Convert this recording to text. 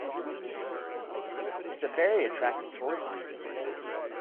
It's a very attractive tourist region.